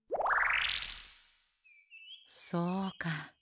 そうか。